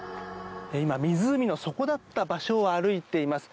今、湖の底だった場所を歩いています。